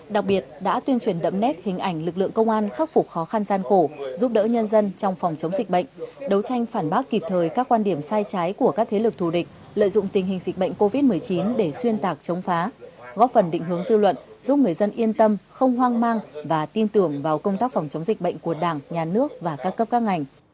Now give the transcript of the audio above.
đặc biệt đã tuyên truyền đậm nét hình ảnh lực lượng công an khắc phục khó khăn gian khổ giúp đỡ nhân dân trong phòng chống dịch bệnh đấu tranh phản bác kịp thời các quan điểm sai trái của các thế lực thù địch lợi dụng tình hình dịch bệnh covid một mươi chín để xuyên tạc chống phá góp phần định hướng dư luận giúp người dân yên tâm không hoang mang và tin tưởng vào công tác phòng chống dịch bệnh của đảng nhà nước và các cấp các ngành